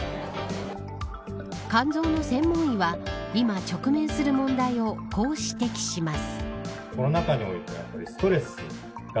肝臓の専門医は今、直面する問題をこう指摘します。